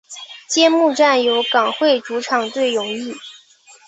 揭幕战由港会主场对永义。